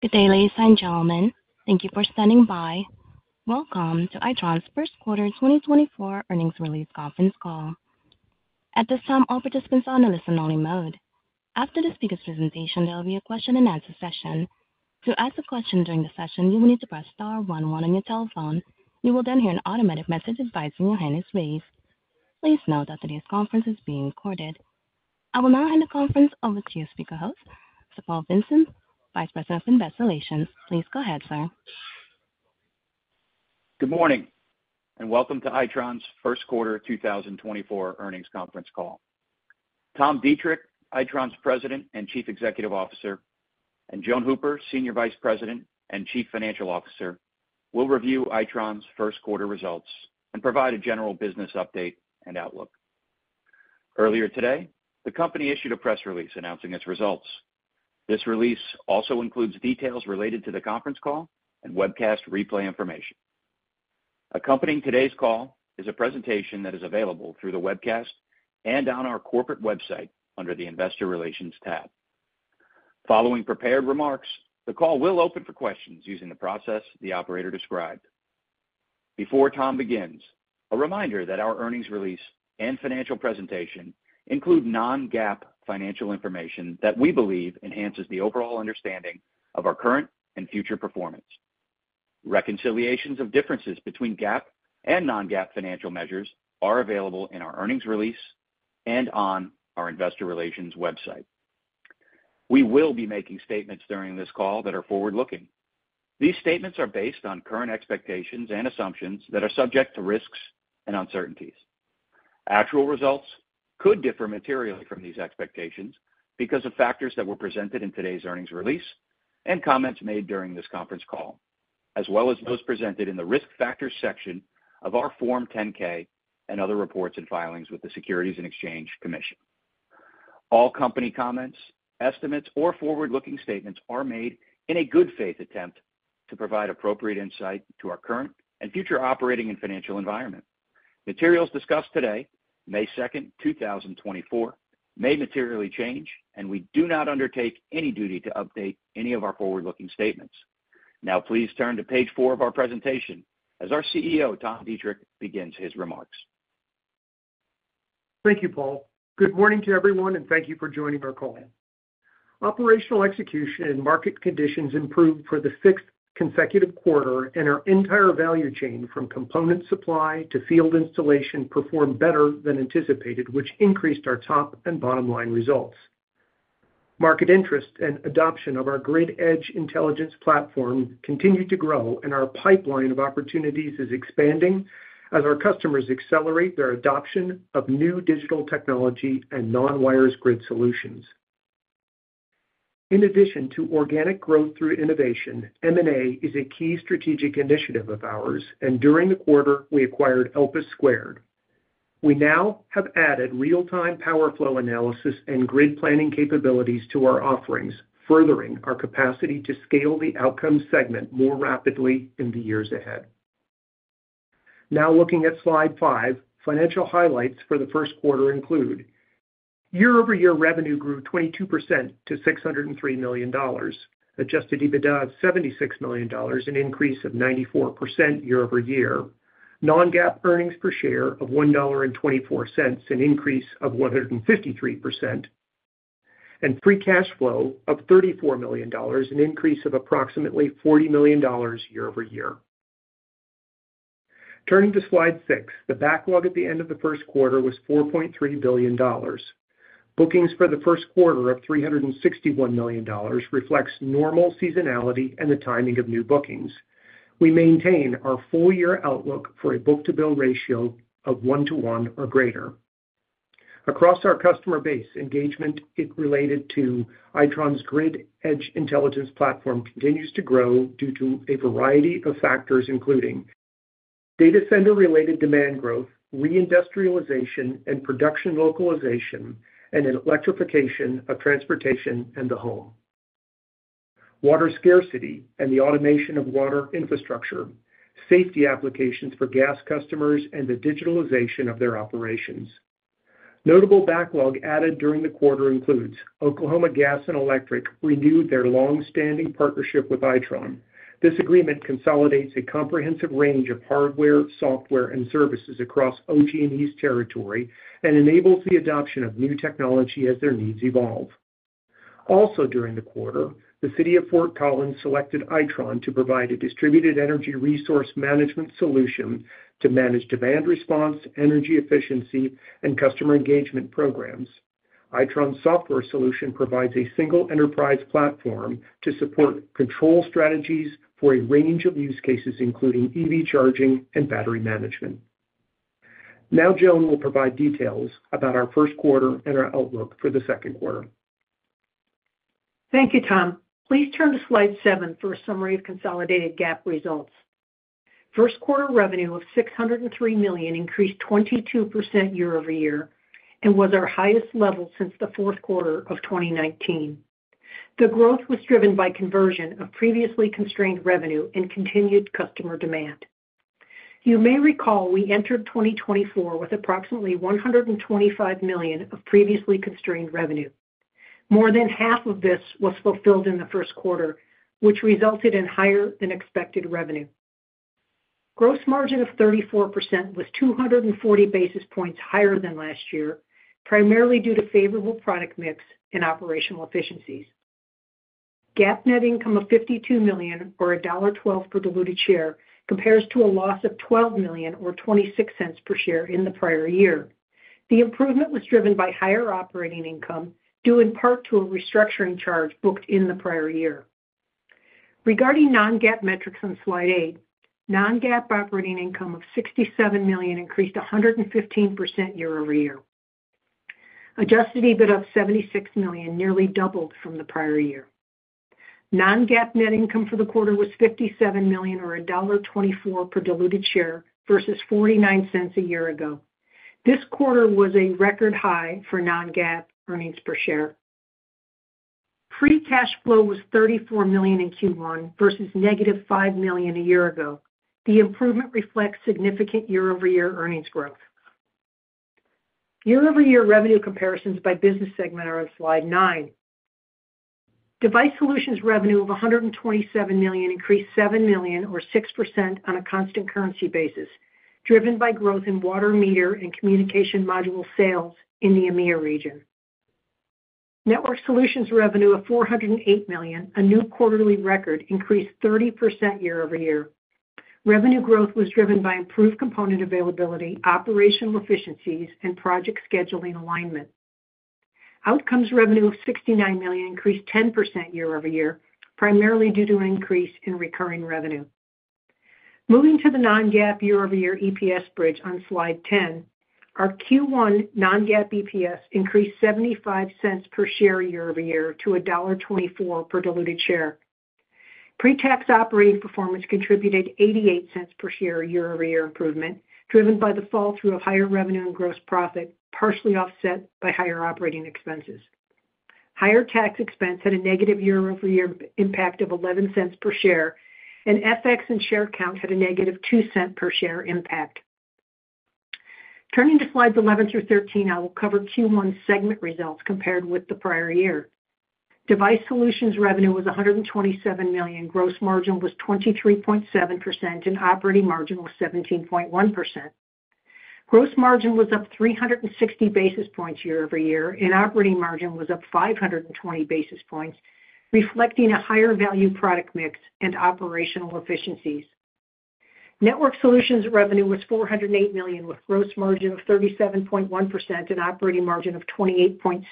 Good day, ladies and gentlemen. Thank you for standing by. Welcome to Itron's first quarter 2024 earnings release conference call. At this time, all participants are on a listen-only mode. After the speaker's presentation, there will be a question-and-answer session. To ask a question during the session, you will need to press star one one on your telephone. You will then hear an automatic message advising that your hand is raised. Please note that today's conference is being recorded. I will now hand the conference over to your speaker host, Paul Vincent, Vice President, Investor Relations. Please go ahead, sir. Good morning and welcome to Itron's first quarter 2024 earnings conference call. Tom Deitrich, Itron's President and Chief Executive Officer, and Joan Hooper, Senior Vice President and Chief Financial Officer, will review Itron's first quarter results and provide a general business update and outlook. Earlier today, the company issued a press release announcing its results. This release also includes details related to the conference call and webcast replay information. Accompanying today's call is a presentation that is available through the webcast and on our corporate website under the Investor Relations tab. Following prepared remarks, the call will open for questions using the process the operator described. Before Tom begins, a reminder that our earnings release and financial presentation include non-GAAP financial information that we believe enhances the overall understanding of our current and future performance. Reconciliations of differences between GAAP and non-GAAP financial measures are available in our earnings release and on our Investor Relations website. We will be making statements during this call that are forward-looking. These statements are based on current expectations and assumptions that are subject to risks and uncertainties. Actual results could differ materially from these expectations because of factors that were presented in today's earnings release and comments made during this conference call, as well as those presented in the risk factors section of our Form 10-K and other reports and filings with the Securities and Exchange Commission. All company comments, estimates, or forward-looking statements are made in a good faith attempt to provide appropriate insight to our current and future operating and financial environment. Materials discussed today, May 2nd, 2024, may materially change, and we do not undertake any duty to update any of our forward-looking statements. Now, please turn to page four of our presentation as our CEO, Tom Deitrich, begins his remarks. Thank you, Paul. Good morning to everyone, and thank you for joining our call. Operational execution and market conditions improved for the sixth consecutive quarter, and our entire value chain, from component supply to field installation, performed better than anticipated, which increased our top and bottom line results. Market interest and adoption of our Grid Edge Intelligence platform continue to grow, and our pipeline of opportunities is expanding as our customers accelerate their adoption of new digital technology and non-wires grid solutions. In addition to organic growth through innovation, M&A is a key strategic initiative of ours, and during the quarter, we acquired Elpis Squared. We now have added real-time power flow analysis and grid planning capabilities to our offerings, furthering our capacity to scale the Outcomes segment more rapidly in the years ahead. Now looking at slide five, financial highlights for the first quarter include: year-over-year revenue grew 22% to $603 million, adjusted EBITDA of $76 million, an increase of 94% year-over-year, non-GAAP earnings per share of $1.24, an increase of 153%, and free cash flow of $34 million, an increase of approximately $40 million year-over-year. Turning to slide six, the backlog at the end of the first quarter was $4.3 billion. Bookings for the first quarter of $361 million reflects normal seasonality and the timing of new bookings. We maintain our full-year outlook for a book-to-bill ratio of 1:1 or greater. Across our customer base, engagement related to Itron's Grid Edge Intelligence platform continues to grow due to a variety of factors, including data center-related demand growth, reindustrialization and production localization, and an electrification of transportation and the home; water scarcity and the automation of water infrastructure; safety applications for gas customers; and the digitalization of their operations. Notable backlog added during the quarter includes: Oklahoma Gas and Electric renewed their longstanding partnership with Itron. This agreement consolidates a comprehensive range of hardware, software, and services across OG&E's territory and enables the adoption of new technology as their needs evolve. Also during the quarter, the City of Fort Collins selected Itron to provide a distributed energy resource management solution to manage demand response, energy efficiency, and customer engagement programs. Itron's software solution provides a single enterprise platform to support control strategies for a range of use cases, including EV charging and battery management. Now Joan will provide details about our first quarter and our outlook for the second quarter. Thank you, Tom. Please turn to slide seven for a summary of consolidated GAAP results. First quarter revenue of $603 million increased 22% year-over-year and was our highest level since the fourth quarter of 2019. The growth was driven by conversion of previously constrained revenue and continued customer demand. You may recall we entered 2024 with approximately $125 million of previously constrained revenue. More than half of this was fulfilled in the first quarter, which resulted in higher-than-expected revenue. Gross margin of 34% was 240 basis points higher than last year, primarily due to favorable product mix and operational efficiencies. GAAP net income of $52 million, or $1.12 per diluted share, compares to a loss of $12 million or $0.26 per share in the prior year. The improvement was driven by higher operating income due in part to a restructuring charge booked in the prior year. Regarding non-GAAP metrics on slide eight, non-GAAP operating income of $67 million increased 115% year-over-year. Adjusted EBITDA of $76 million nearly doubled from the prior year. Non-GAAP net income for the quarter was $57 million or $1.24 per diluted share versus $0.49 a year ago. This quarter was a record high for non-GAAP earnings per share. Free cash flow was $34 million in Q1 versus -$5 million a year ago. The improvement reflects significant year-over-year earnings growth. Year-over-year revenue comparisons by business segment are on slide 9. Device Solutions revenue of $127 million increased $7 million or 6% on a constant currency basis, driven by growth in water meter and communication module sales in the EMEA region. Networked Solutions revenue of $408 million, a new quarterly record, increased 30% year-over-year. Revenue growth was driven by improved component availability, operational efficiencies, and project scheduling alignment. Outcomes revenue of $69 million increased 10% year-over-year, primarily due to an increase in recurring revenue. Moving to the non-GAAP year-over-year EPS bridge on slide 10, our Q1 non-GAAP EPS increased $0.75 per share year-over-year to $1.24 per diluted share. Pre-tax operating performance contributed $0.88 per share year-over-year improvement, driven by the fall through of higher revenue and gross profit, partially offset by higher operating expenses. Higher tax expense had a negative year-over-year impact of $0.11 per share, and FX and share count had a negative $0.02 per share impact. Turning to slides 11 through 13, I will cover Q1 segment results compared with the prior year. Device Solutions revenue was $127 million, gross margin was 23.7%, and operating margin was 17.1%. Gross margin was up 360 basis points year-over-year, and operating margin was up 520 basis points, reflecting a higher value product mix and operational efficiencies. Networked Solutions revenue was $408 million, with gross margin of 37.1% and operating margin of 28.6%.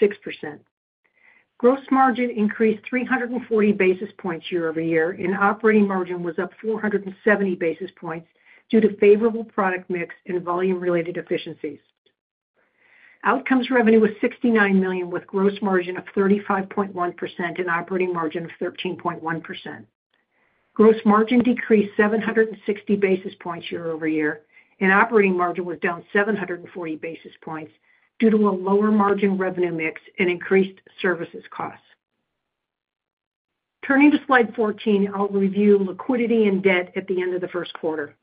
Gross margin increased 340 basis points year-over-year, and operating margin was up 470 basis points due to favorable product mix and volume-related efficiencies. Outcomes revenue was $69 million, with gross margin of 35.1% and operating margin of 13.1%. Gross margin decreased 760 basis points year-over-year, and operating margin was down 740 basis points due to a lower margin revenue mix and increased services costs. Turning to slide 14, I'll review liquidity and debt at the end of the first quarter.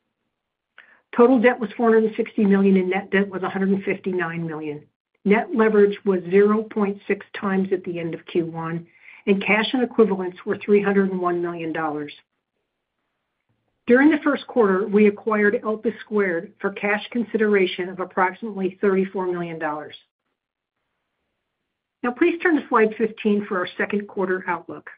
Total debt was $460 million, and net debt was $159 million. Net leverage was 0.6x at the end of Q1, and cash and equivalents were $301 million. During the first quarter, we acquired Elpis Squared for cash consideration of approximately $34 million. Now please turn to slide 15 for our second quarter outlook.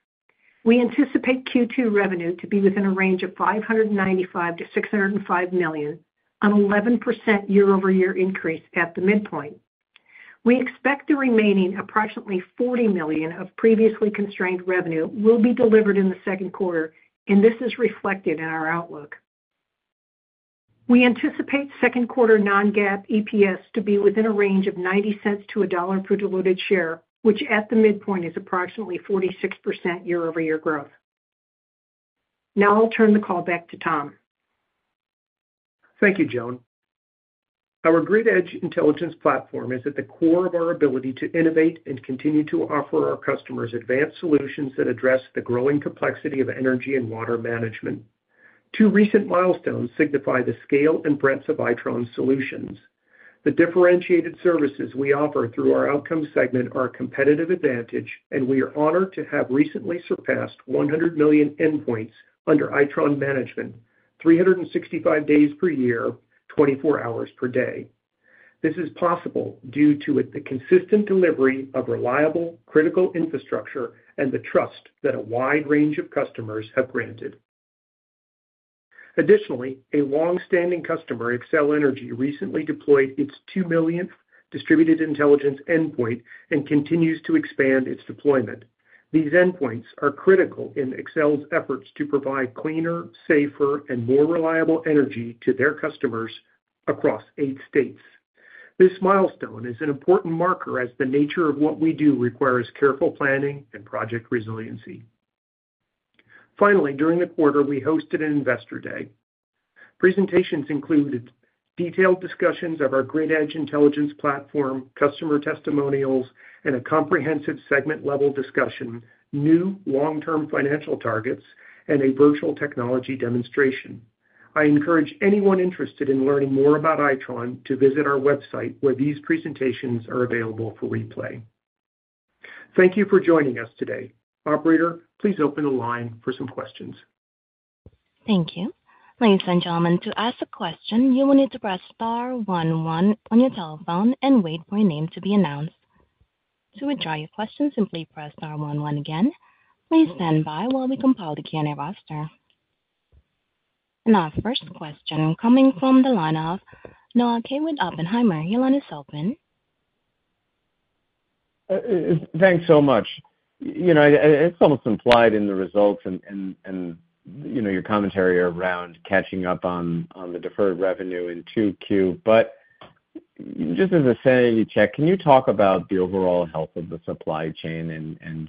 We anticipate Q2 revenue to be within a range of $595 million-$605 million, an 11% year-over-year increase at the midpoint. We expect the remaining approximately $40 million of previously constrained revenue will be delivered in the second quarter, and this is reflected in our outlook. We anticipate second quarter non-GAAP EPS to be within a range of $0.90-$1 per diluted share, which at the midpoint is approximately 46% year-over-year growth. Now I'll turn the call back to Tom. Thank you, Joan. Our Grid Edge Intelligence platform is at the core of our ability to innovate and continue to offer our customers advanced solutions that address the growing complexity of energy and water management. Two recent milestones signify the scale and breadth of Itron's solutions. The differentiated services we offer through our Outcomes segment are a competitive advantage, and we are honored to have recently surpassed 100 million endpoints under Itron management, 365 days per year, 24 hours per day. This is possible due to the consistent delivery of reliable, critical infrastructure and the trust that a wide range of customers have granted. Additionally, a longstanding customer, Xcel Energy, recently deployed its 2 millionth distributed intelligence endpoint and continues to expand its deployment. These endpoints are critical in Xcel's efforts to provide cleaner, safer, and more reliable energy to their customers across eight states. This milestone is an important marker as the nature of what we do requires careful planning and project resiliency. Finally, during the quarter, we hosted an investor day. Presentations included detailed discussions of our Grid Edge intelligence platform, customer testimonials, and a comprehensive segment-level discussion, new long-term financial targets, and a virtual technology demonstration. I encourage anyone interested in learning more about Itron to visit our website where these presentations are available for replay. Thank you for joining us today. Operator, please open the line for some questions. Thank you. Ladies and gentlemen, to ask a question, you will need to press star one one on your telephone and wait for your name to be announced. To withdraw your question, simply press star one one again. Please stand by while we compile the Q&A roster. Our first question coming from the line of Noah Kaye with Oppenheimer. Your line is open. Thanks so much. It's almost implied in the results, and your commentary around catching up on the deferred revenue in 2Q. But just as a sanity check, can you talk about the overall health of the supply chain and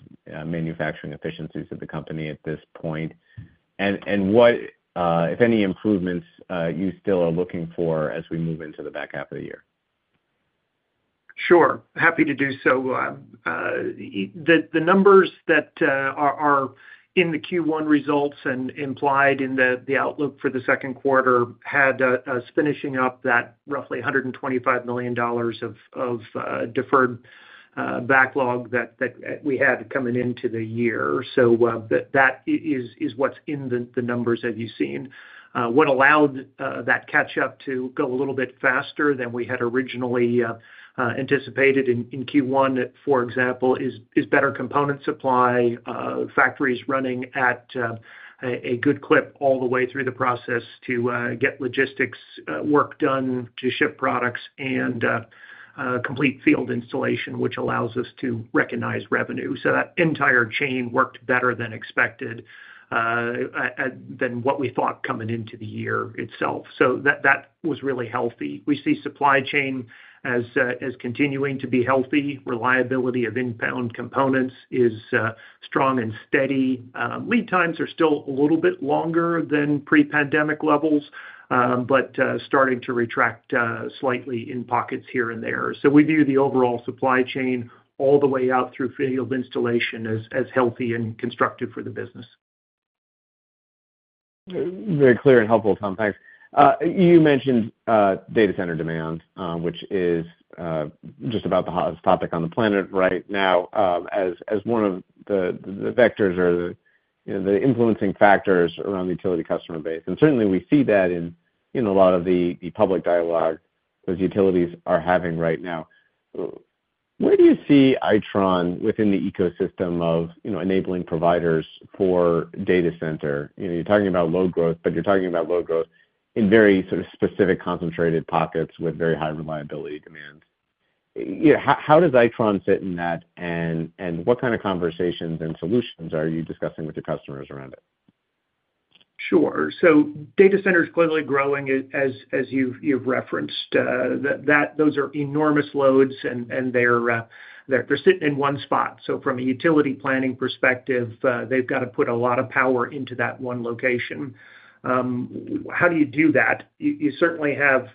manufacturing efficiencies of the company at this point, and what, if any, improvements you still are looking for as we move into the back half of the year? Sure. Happy to do so. The numbers that are in the Q1 results and implied in the outlook for the second quarter had us finishing up that roughly $125 million of deferred backlog that we had coming into the year. So that is what's in the numbers that you've seen. What allowed that catch-up to go a little bit faster than we had originally anticipated in Q1, for example, is better component supply, factories running at a good clip all the way through the process to get logistics work done to ship products and complete field installation, which allows us to recognize revenue. So that entire chain worked better than expected than what we thought coming into the year itself. So that was really healthy. We see supply chain as continuing to be healthy. Reliability of inbound components is strong and steady. Lead times are still a little bit longer than pre-pandemic levels, but starting to retract slightly in pockets here and there. So we view the overall supply chain all the way out through field installation as healthy and constructive for the business. Very clear and helpful, Tom. Thanks. You mentioned data center demand, which is just about the hottest topic on the planet right now as one of the vectors or the influencing factors around the utility customer base. Certainly, we see that in a lot of the public dialogue that the utilities are having right now. Where do you see Itron within the ecosystem of enabling providers for data center? You're talking about low growth, but you're talking about low growth in very sort of specific concentrated pockets with very high reliability demands. How does Itron fit in that, and what kind of conversations and solutions are you discussing with your customers around it? Sure. So data center is clearly growing, as you've referenced. Those are enormous loads, and they're sitting in one spot. So from a utility planning perspective, they've got to put a lot of power into that one location. How do you do that? You certainly have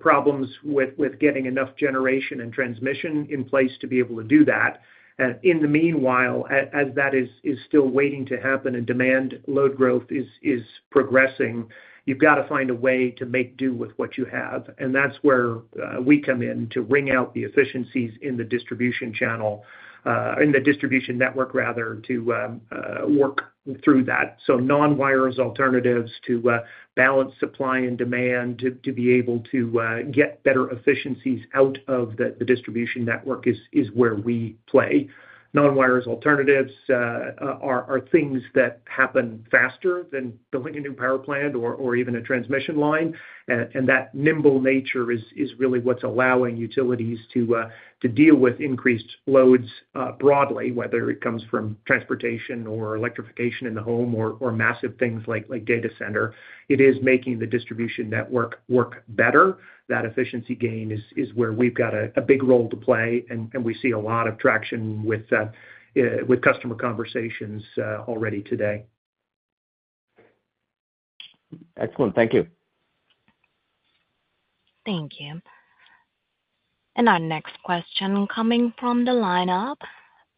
problems with getting enough generation and transmission in place to be able to do that. And in the meanwhile, as that is still waiting to happen and demand load growth is progressing, you've got to find a way to make do with what you have. And that's where we come in to wring out the efficiencies in the distribution channel in the distribution network, rather, to work through that. So Non-Wires Alternatives to balance supply and demand, to be able to get better efficiencies out of the distribution network, is where we play. Non-Wires Alternatives are things that happen faster than building a new power plant or even a transmission line. That nimble nature is really what's allowing utilities to deal with increased loads broadly, whether it comes from transportation or electrification in the home or massive things like data center. It is making the distribution network work better. That efficiency gain is where we've got a big role to play, and we see a lot of traction with customer conversations already today. Excellent. Thank you. Thank you. Our next question coming from the line of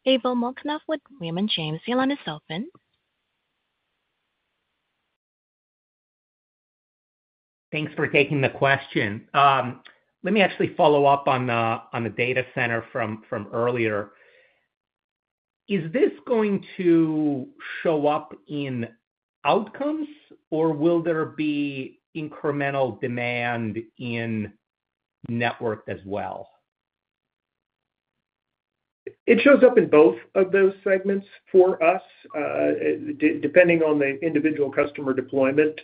Pavel Molchanov with Raymond James. Your line is open. Thanks for taking the question. Let me actually follow up on the data center from earlier. Is this going to show up in Outcomes, or will there be incremental demand in network as well? It shows up in both of those segments for us, depending on the individual customer deployment.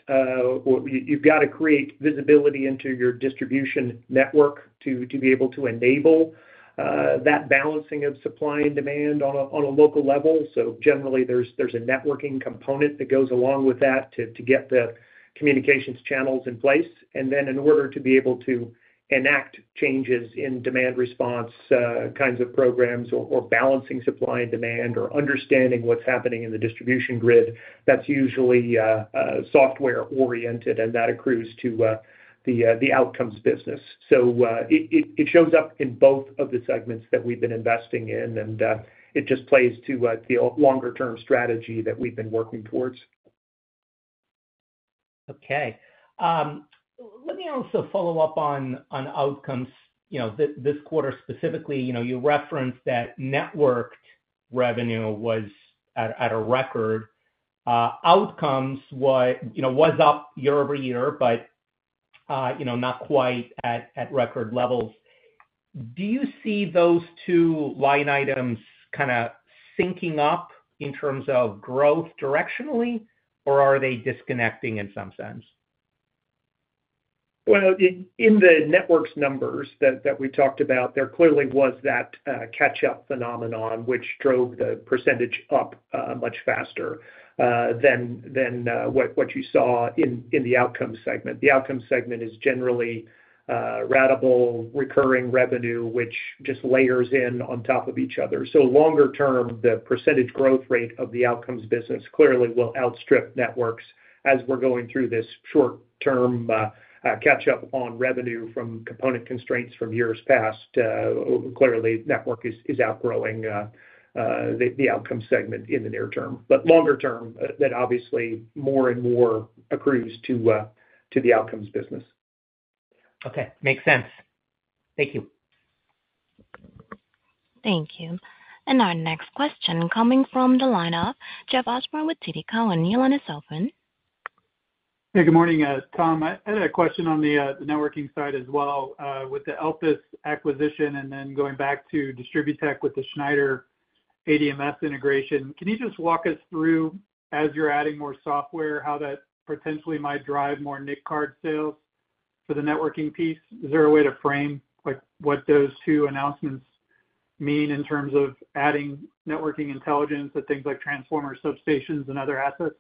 You've got to create visibility into your distribution network to be able to enable that balancing of supply and demand on a local level. So generally, there's a networking component that goes along with that to get the communications channels in place. And then in order to be able to enact changes in demand response kinds of programs or balancing supply and demand or understanding what's happening in the distribution grid, that's usually software-oriented, and that accrues to the Outcomes business. So it shows up in both of the segments that we've been investing in, and it just plays to the longer-term strategy that we've been working towards. Okay. Let me also follow up on Outcomes this quarter specifically. You referenced that networked revenue was at a record. Outcomes was up year-over-year, but not quite at record levels. Do you see those two line items kind of syncing up in terms of growth directionally, or are they disconnecting in some sense? Well, in the networks numbers that we talked about, there clearly was that catch-up phenomenon, which drove the percentage up much faster than what you saw in the Outcomes segment. The Outcomes segment is generally ratable, recurring revenue, which just layers in on top of each other. So longer term, the percentage growth rate of the Outcomes business clearly will outstrip networks as we're going through this short-term catch-up on revenue from component constraints from years past. Clearly, network is outgrowing the outcome segment in the near term. But longer term, that obviously more and more accrues to the Outcomes business. Okay. Makes sense. Thank you. Thank you. Our next question coming from the line of Jeffrey Osborne with TD Cowen. Your line is open. Hey, good morning, Tom. I had a question on the networking side as well with the Elpis acquisition and then going back to DistribuTECH with the Schneider ADMS integration. Can you just walk us through, as you're adding more software, how that potentially might drive more NIC card sales for the networking piece? Is there a way to frame what those two announcements mean in terms of adding networking intelligence to things like transformer substations and other assets?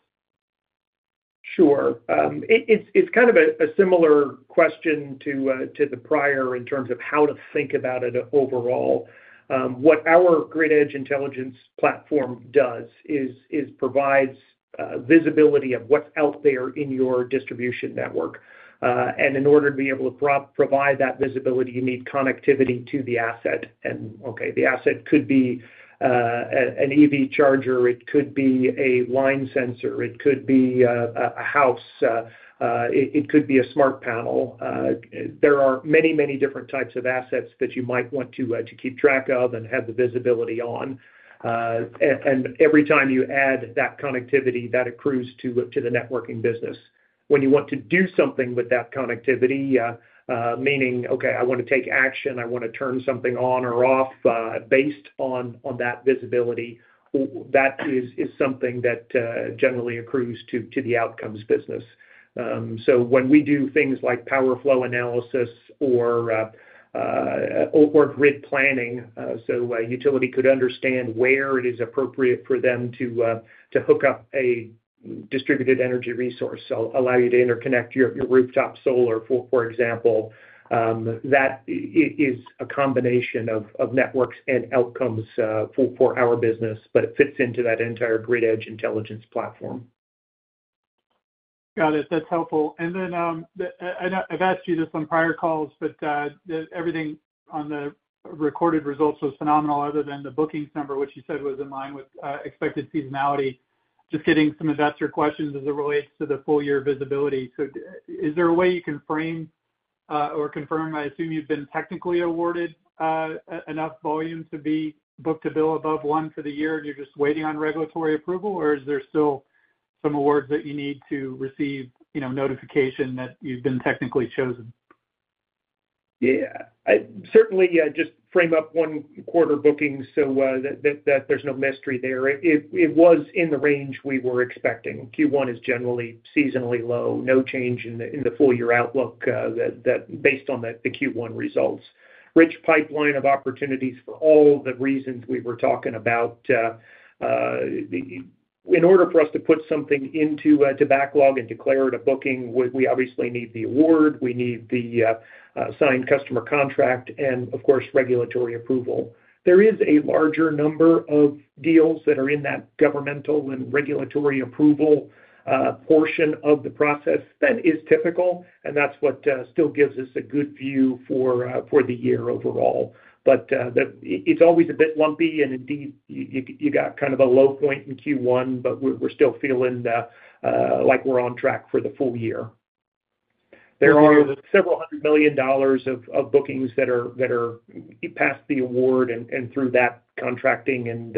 Sure. It's kind of a similar question to the prior in terms of how to think about it overall. What our Grid Edge Intelligence platform does is provide visibility of what's out there in your distribution network. In order to be able to provide that visibility, you need connectivity to the asset. Okay, the asset could be an EV charger. It could be a line sensor. It could be a house. It could be a smart panel. There are many, many different types of assets that you might want to keep track of and have the visibility on. Every time you add that connectivity, that accrues to the networking business. When you want to do something with that connectivity, meaning, "Okay, I want to take action. I want to turn something on or off based on that visibility," that is something that generally accrues to the Outcomes business. When we do things like power flow analysis or grid planning, a utility could understand where it is appropriate for them to hook up a distributed energy resource, allow you to interconnect your rooftop solar, for example. That is a combination of Networks and Outcomes for our business, but it fits into that entire Grid Edge Intelligence platform. Got it. That's helpful. And then I've asked you this on prior calls, but everything on the recorded results was phenomenal, other than the bookings number, which you said was in line with expected seasonality. Just getting some investor questions as it relates to the full-year visibility. So is there a way you can frame or confirm? I assume you've been technically awarded enough volume to be booked to bill above one for the year, and you're just waiting on regulatory approval, or is there still some awards that you need to receive notification that you've been technically chosen? Yeah. Certainly, just frame up Q1 bookings so that there's no mystery there. It was in the range we were expecting. Q1 is generally seasonally low, no change in the full-year outlook based on the Q1 results. Rich pipeline of opportunities for all the reasons we were talking about. In order for us to put something into a backlog and declare it a booking, we obviously need the award. We need the signed customer contract and, of course, regulatory approval. There is a larger number of deals that are in that governmental and regulatory approval portion of the process than is typical, and that's what still gives us a good view for the year overall. But it's always a bit lumpy, and indeed, you got kind of a low point in Q1, but we're still feeling like we're on track for the full year. There are several hundred million dollars of bookings that are past the award and through that contracting and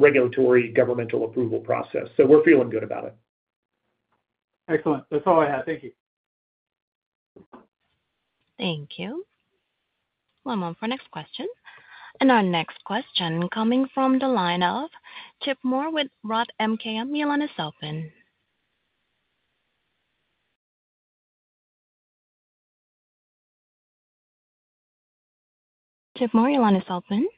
regulatory governmental approval process. So we're feeling good about it. Excellent. That's all I had. Thank you. Thank you. One moment for next question. Our next question coming from the line of Chip Moore with Roth MKM. Your line is open. Chip Moore. Your line is open.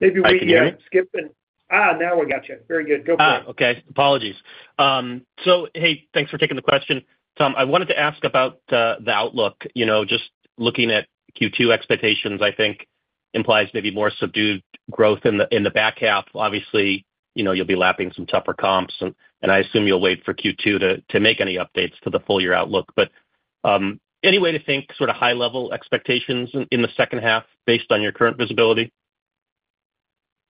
Maybe we can skip and now we got you. Very good. Go for it. Okay. Apologies. So hey, thanks for taking the question, Tom. I wanted to ask about the outlook. Just looking at Q2 expectations, I think, implies maybe more subdued growth in the back half. Obviously, you'll be lapping some tougher comps, and I assume you'll wait for Q2 to make any updates to the full-year outlook. But any way to think sort of high-level expectations in the second half based on your current visibility?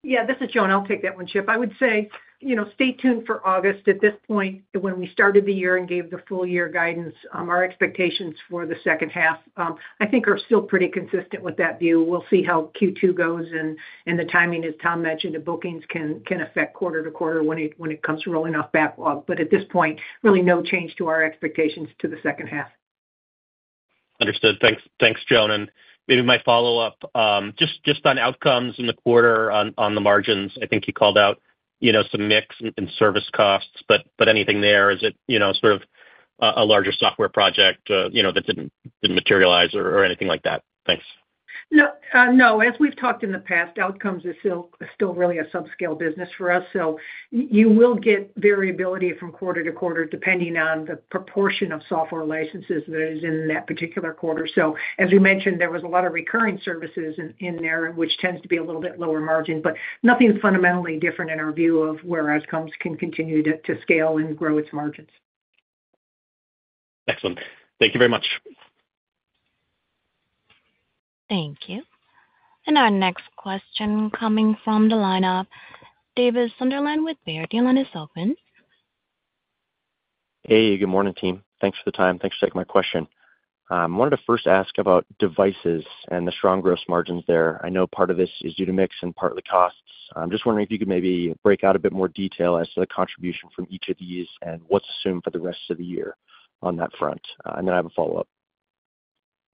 Yeah. This is Joan. I'll take that one, Chip. I would say stay tuned for August. At this point, when we started the year and gave the full-year guidance, our expectations for the second half, I think, are still pretty consistent with that view. We'll see how Q2 goes, and the timing is, Tom mentioned, that bookings can affect quarter to quarter when it comes to rolling off backlog. But at this point, really no change to our expectations to the second half. Understood. Thanks, Joan. And maybe my follow-up just on outcomes in the quarter on the margins. I think you called out some mix and service costs, but anything there? Is it sort of a larger software project that didn't materialize or anything like that? Thanks. No. As we've talked in the past, outcomes are still really a subscale business for us. So you will get variability from quarter-to-quarter depending on the proportion of software licenses that is in that particular quarter. So as we mentioned, there was a lot of recurring services in there, which tends to be a little bit lower margin, but nothing fundamentally different in our view of where outcomes can continue to scale and grow its margins. Excellent. Thank you very much. Thank you. Our next question coming from the line of Davis Sunderland with Baird. Your line is open. Hey. Good morning, team. Thanks for the time. Thanks for taking my question. I wanted to first ask about devices and the strong gross margins there. I know part of this is due to mix and partly costs. I'm just wondering if you could maybe break out a bit more detail as to the contribution from each of these and what's assumed for the rest of the year on that front, and then I have a follow-up.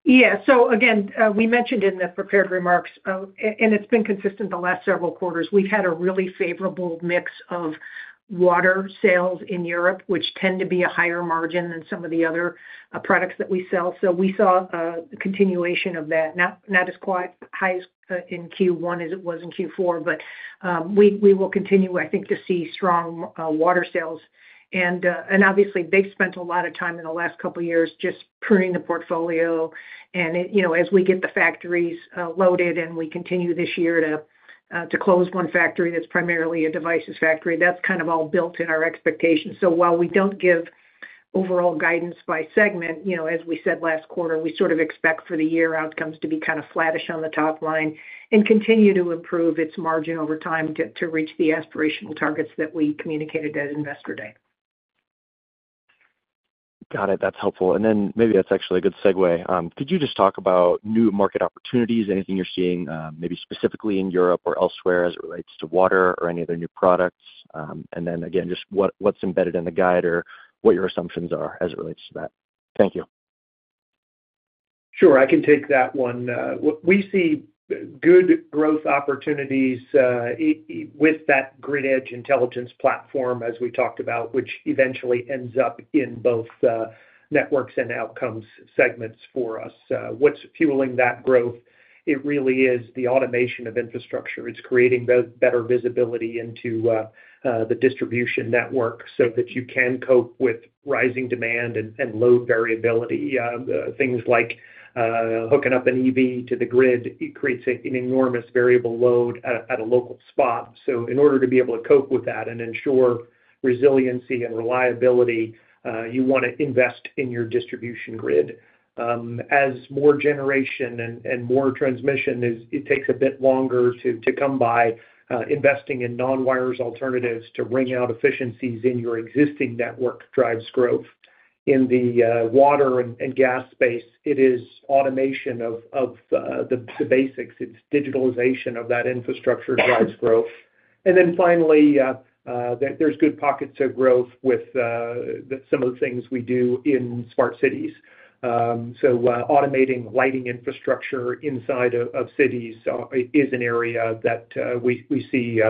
Yeah. So again, we mentioned in the prepared remarks, and it's been consistent the last several quarters. We've had a really favorable mix of water sales in Europe, which tend to be a higher margin than some of the other products that we sell. So we saw a continuation of that, not as high as in Q1 as it was in Q4, but we will continue, I think, to see strong water sales. And obviously, they've spent a lot of time in the last couple of years just pruning the portfolio. And as we get the factories loaded and we continue this year to close one factory that's primarily a devices factory, that's kind of all built in our expectations. So while we don't give overall guidance by segment, as we said last quarter, we sort of expect for the year outcomes to be kind of flatish on the top line and continue to improve its margin over time to reach the aspirational targets that we communicated at Investor Day. Got it. That's helpful. And then maybe that's actually a good segue. Could you just talk about new market opportunities, anything you're seeing maybe specifically in Europe or elsewhere as it relates to water or any other new products? And then again, just what's embedded in the guide or what your assumptions are as it relates to that. Thank you. Sure. I can take that one. We see good growth opportunities with that Grid Edge Intelligence platform, as we talked about, which eventually ends up in both Networks and Outcomes segments for us. What's fueling that growth? It really is the automation of infrastructure. It's creating better visibility into the distribution network so that you can cope with rising demand and load variability. Things like hooking up an EV to the grid creates an enormous variable load at a local spot. So in order to be able to cope with that and ensure resiliency and reliability, you want to invest in your distribution grid. As more generation and more transmission, it takes a bit longer to come by. Investing in non-wires alternatives to wring out efficiencies in your existing network drives growth. In the water and gas space, it is automation of the basics. It's digitalization of that infrastructure drives growth. Then finally, there's good pockets of growth with some of the things we do in smart cities. Automating lighting infrastructure inside of cities is an area that we see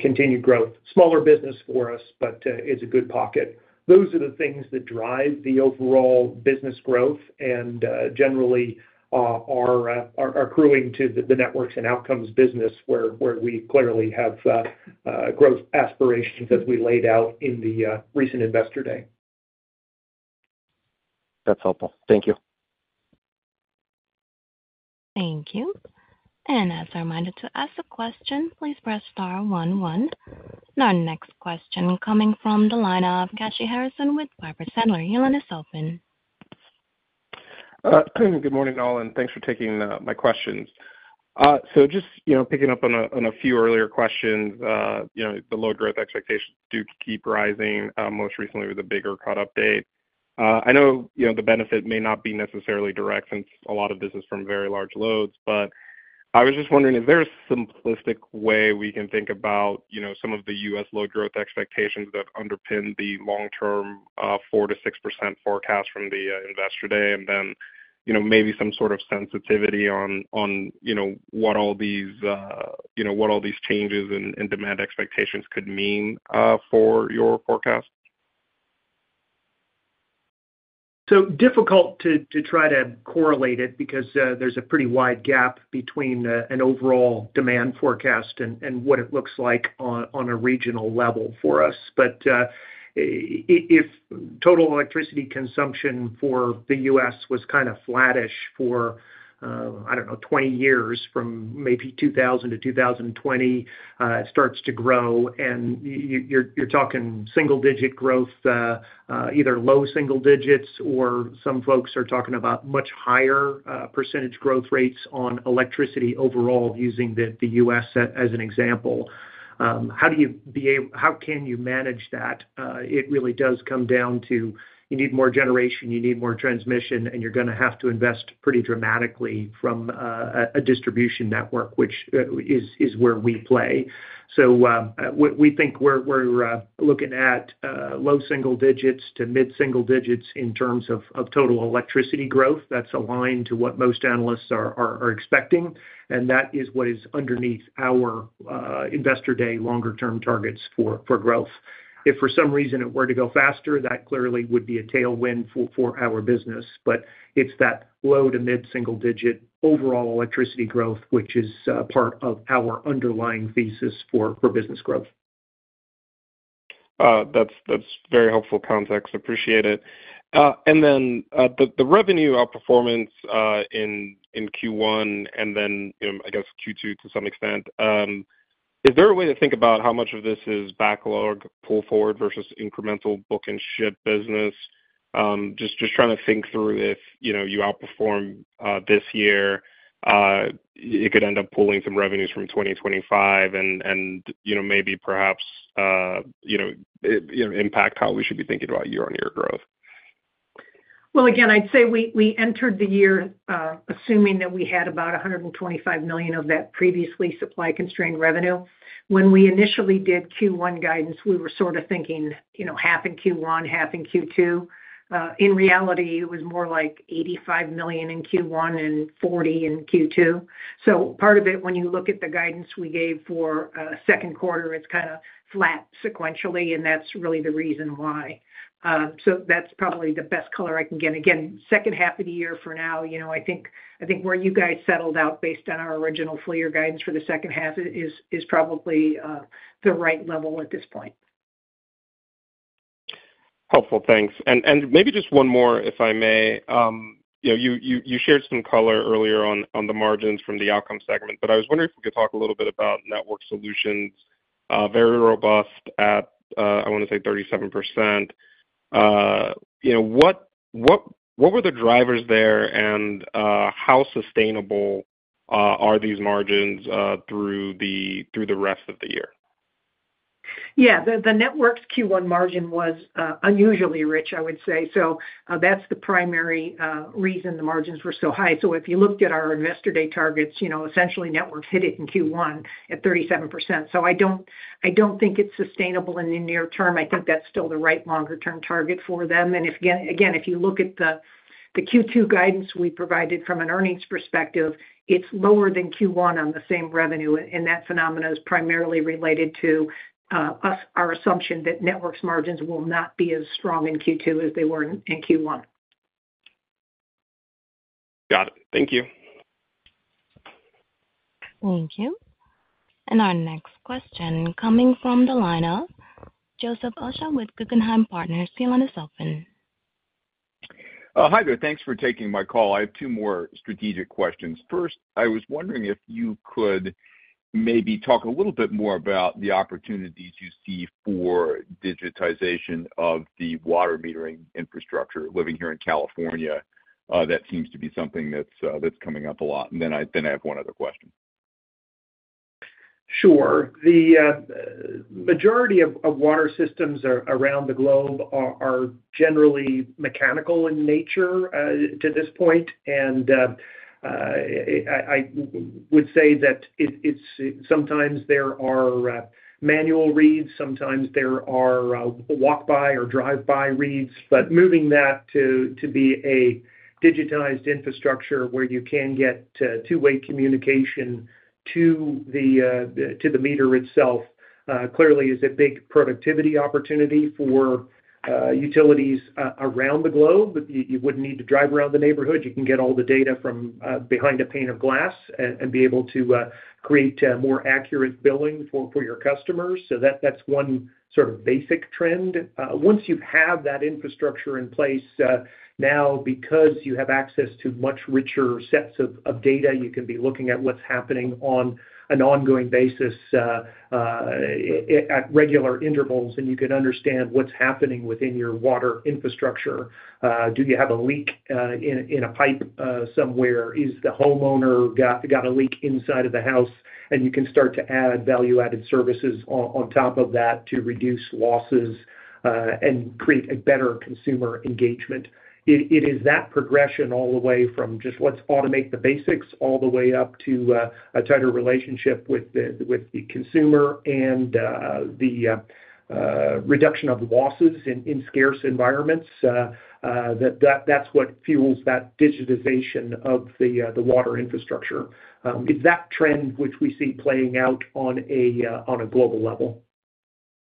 continued growth. Smaller business for us, but it's a good pocket. Those are the things that drive the overall business growth and generally are accruing to the Networks and Outcomes business where we clearly have growth aspirations as we laid out in the recent Investor Day. That's helpful. Thank you. Thank you. As a reminder to ask the question, please press star one one. Our next question coming from the line of Kashy Harrison with Piper Sandler. Your line is open. Good morning, all, and thanks for taking my questions. So just picking up on a few earlier questions, the load growth expectations do keep rising, most recently with a bigger cut update. I know the benefit may not be necessarily direct since a lot of this is from very large loads, but I was just wondering, is there a simplistic way we can think about some of the U.S. load growth expectations that underpin the long-term 4%-6% forecast from the Investor Day and then maybe some sort of sensitivity on what all these what all these changes in demand expectations could mean for your forecast? So difficult to try to correlate it because there's a pretty wide gap between an overall demand forecast and what it looks like on a regional level for us. But if total electricity consumption for the U.S. was kind of flatish for, I don't know, 20 years, from maybe 2000-2020, it starts to grow, and you're talking single-digit growth, either low single digits or some folks are talking about much higher percentage growth rates on electricity overall using the U.S. as an example. How do you be able how can you manage that? It really does come down to you need more generation, you need more transmission, and you're going to have to invest pretty dramatically from a distribution network, which is where we play. We think we're looking at low single digits to mid-single digits in terms of total electricity growth that's aligned to what most analysts are expecting. That is what is underneath our Investor Day longer-term targets for growth. If for some reason it were to go faster, that clearly would be a tailwind for our business. It's that low to mid-single digit overall electricity growth, which is part of our underlying thesis for business growth. That's very helpful context. Appreciate it. And then the revenue outperformance in Q1 and then, I guess, Q2 to some extent, is there a way to think about how much of this is backlog, pull forward, versus incremental book and ship business? Just trying to think through if you outperform this year, it could end up pulling some revenues from 2025 and maybe perhaps impact how we should be thinking about year-on-year growth. Well, again, I'd say we entered the year assuming that we had about $125 million of that previously supply-constrained revenue. When we initially did Q1 guidance, we were sort of thinking half in Q1, half in Q2. In reality, it was more like $85 million in Q1 and $40 million in Q2. So part of it, when you look at the guidance we gave for second quarter, it's kind of flat sequentially, and that's really the reason why. So that's probably the best color I can get. Again, second half of the year for now, I think where you guys settled out based on our original full-year guidance for the second half is probably the right level at this point. Helpful. Thanks. And maybe just one more, if I may. You shared some color earlier on the margins from the Outcomes segment, but I was wondering if we could talk a little bit about Networked Solutions, very robust at, I want to say, 37%. What were the drivers there, and how sustainable are these margins through the rest of the year? Yeah. The network's Q1 margin was unusually rich, I would say. So that's the primary reason the margins were so high. So if you looked at our Investor Day targets, essentially, network hit it in Q1 at 37%. So I don't think it's sustainable in the near term. I think that's still the right longer-term target for them. And again, if you look at the Q2 guidance we provided from an earnings perspective, it's lower than Q1 on the same revenue. And that phenomenon is primarily related to our assumption that network's margins will not be as strong in Q2 as they were in Q1. Got it. Thank you. Thank you. And our next question coming from the line of Joseph Osha with Guggenheim Partners. Your line is open. Hi there. Thanks for taking my call. I have two more strategic questions. First, I was wondering if you could maybe talk a little bit more about the opportunities you see for digitization of the water metering infrastructure living here in California. That seems to be something that's coming up a lot. And then I have one other question. Sure. The majority of water systems around the globe are generally mechanical in nature to this point. I would say that sometimes there are manual reads, sometimes there are walk-by or drive-by reads. Moving that to be a digitized infrastructure where you can get two-way communication to the meter itself clearly is a big productivity opportunity for utilities around the globe. You wouldn't need to drive around the neighborhood. You can get all the data from behind a pane of glass and be able to create more accurate billing for your customers. That's one sort of basic trend. Once you have that infrastructure in place now, because you have access to much richer sets of data, you can be looking at what's happening on an ongoing basis at regular intervals, and you can understand what's happening within your water infrastructure. Do you have a leak in a pipe somewhere? Is the homeowner got a leak inside of the house? You can start to add value-added services on top of that to reduce losses and create a better consumer engagement. It is that progression all the way from just let's automate the basics all the way up to a tighter relationship with the consumer and the reduction of losses in scarce environments. That's what fuels that digitization of the water infrastructure. It's that trend which we see playing out on a global level.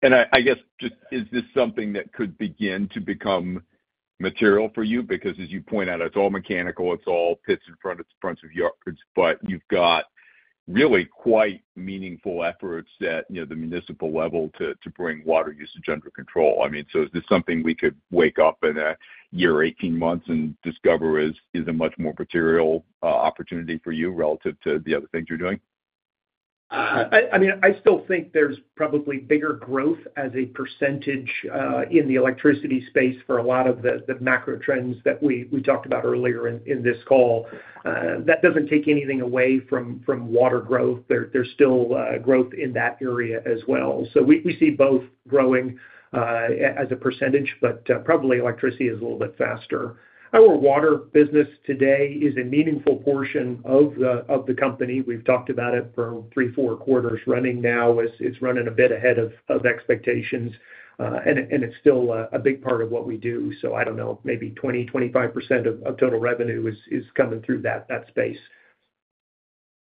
I guess, is this something that could begin to become material for you? Because as you point out, it's all mechanical. It's all pits in front of yards. But you've got really quite meaningful efforts at the municipal level to bring water usage under control. I mean, so is this something we could wake up in a year, 18 months, and discover is a much more material opportunity for you relative to the other things you're doing? I mean, I still think there's probably bigger growth as a percentage in the electricity space for a lot of the macro trends that we talked about earlier in this call. That doesn't take anything away from water growth. There's still growth in that area as well. So we see both growing as a percentage, but probably electricity is a little bit faster. Our water business today is a meaningful portion of the company. We've talked about it for 3 quarters, 4 quarters running now. It's running a bit ahead of expectations, and it's still a big part of what we do. So I don't know, maybe 20%-25% of total revenue is coming through that space.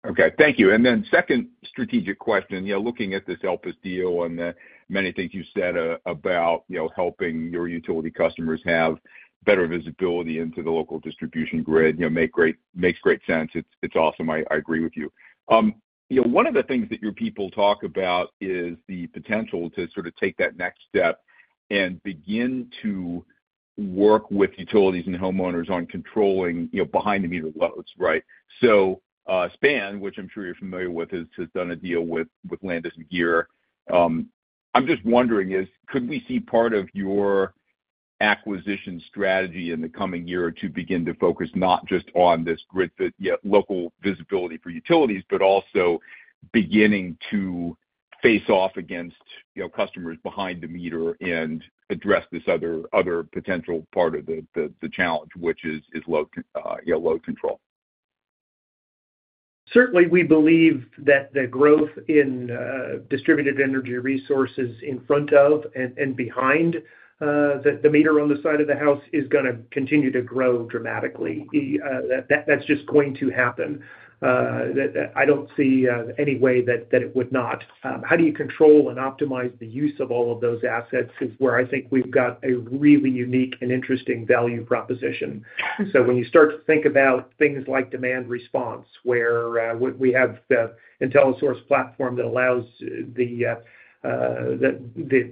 Okay. Thank you. And then second strategic question, looking at this Elpis deal and many things you said about helping your utility customers have better visibility into the local distribution grid makes great sense. It's awesome. I agree with you. One of the things that your people talk about is the potential to sort of take that next step and begin to work with utilities and homeowners on controlling behind-the-meter loads, right? So SPAN, which I'm sure you're familiar with, has done a deal with Landis+Gyr. I'm just wondering, could we see part of your acquisition strategy in the coming year or two begin to focus not just on this grid-fit local visibility for utilities, but also beginning to face off against customers behind the meter and address this other potential part of the challenge, which is load control? Certainly, we believe that the growth in distributed energy resources in front of and behind the meter on the side of the house is going to continue to grow dramatically. That's just going to happen. I don't see any way that it would not. How do you control and optimize the use of all of those assets is where I think we've got a really unique and interesting value proposition. So when you start to think about things like demand response, where we have the IntelliSOURCE platform that allows the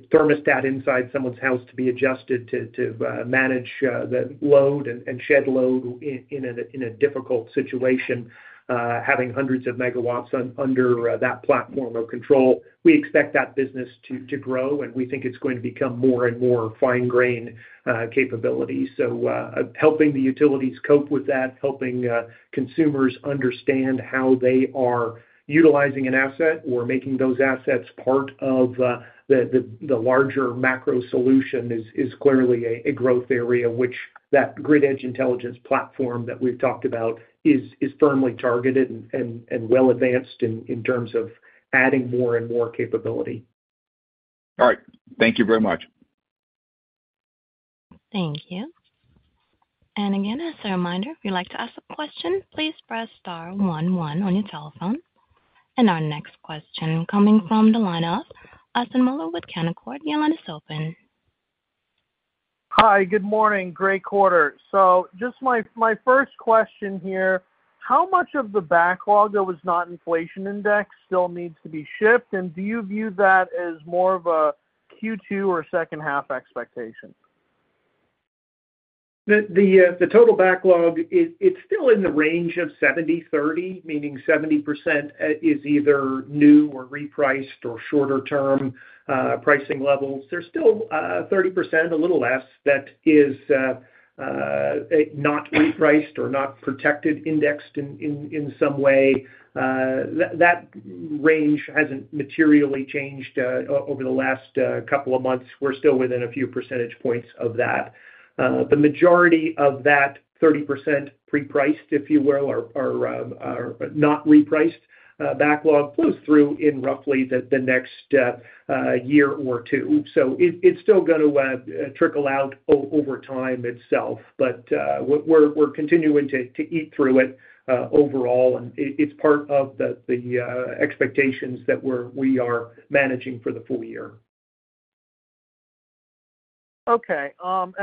thermostat inside someone's house to be adjusted to manage the load and shed load in a difficult situation, having hundreds of megawatts under that platform of control, we expect that business to grow, and we think it's going to become more and more fine-grained capability. So helping the utilities cope with that, helping consumers understand how they are utilizing an asset or making those assets part of the larger macro solution is clearly a growth area, which that Grid Edge Intelligence platform that we've talked about is firmly targeted and well-advanced in terms of adding more and more capability. All right. Thank you very much. Thank you. Again, as a reminder, if you'd like to ask a question, please press star 11 on your telephone. Our next question coming from the line of Austin Moeller with Canaccord. Your line is open. Hi. Good morning. Great quarter. So just my first question here, how much of the backlog that was not inflation indexed still needs to be shipped, and do you view that as more of a Q2 or second-half expectation? The total backlog, it's still in the range of 70/30, meaning 70% is either new or repriced or shorter-term pricing levels. There's still 30%, a little less, that is not repriced or not protected indexed in some way. That range hasn't materially changed over the last couple of months. We're still within a few percentage points of that. The majority of that 30% pre-priced, if you will, or not repriced backlog flows through in roughly the next year or two. So it's still going to trickle out over time itself, but we're continuing to eat through it overall, and it's part of the expectations that we are managing for the full year. Okay.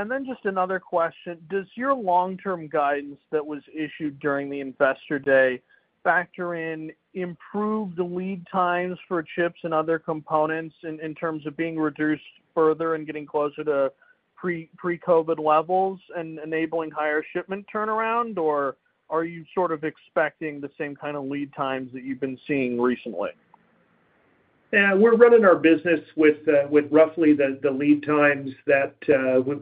Then just another question. Does your long-term guidance that was issued during the Investor Day factor in improved lead times for chips and other components in terms of being reduced further and getting closer to pre-COVID levels and enabling higher shipment turnaround, or are you sort of expecting the same kind of lead times that you've been seeing recently? Yeah. We're running our business with roughly the lead times that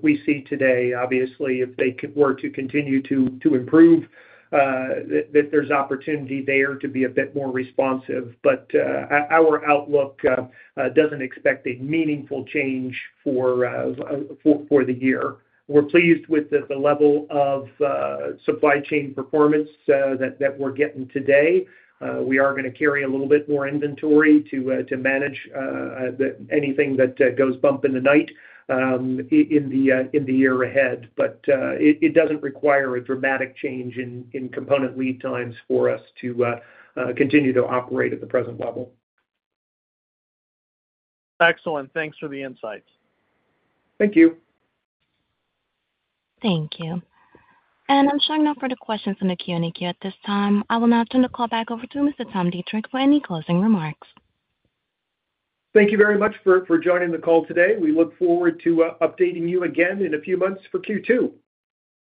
we see today. Obviously, if they were to continue to improve, that there's opportunity there to be a bit more responsive. But our outlook doesn't expect a meaningful change for the year. We're pleased with the level of supply chain performance that we're getting today. We are going to carry a little bit more inventory to manage anything that goes bump in the night in the year ahead. But it doesn't require a dramatic change in component lead times for us to continue to operate at the present level. Excellent. Thanks for the insights. Thank you. Thank you. I'm showing no further questions in the Q&A queue at this time. I will now turn the call back over to Mr. Tom Deitrich for any closing remarks. Thank you very much for joining the call today. We look forward to updating you again in a few months for Q2.